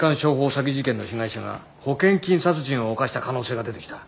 詐欺事件の被害者が保険金殺人を犯した可能性が出てきた。